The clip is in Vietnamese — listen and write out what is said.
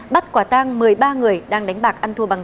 bắt quả tang một mươi ba người đang đánh bạc ăn thua bằng